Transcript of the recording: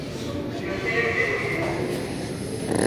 Gösterebilir miyim?